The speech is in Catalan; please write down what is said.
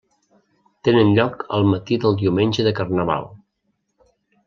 Tenen lloc el matí del diumenge de Carnaval.